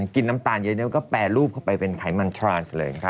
น้ำตาลเยอะก็แปรรูปเข้าไปเป็นไขมันทรานซ์เลยนะคะ